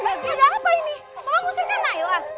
mas apa ini mau ngusirkan naylar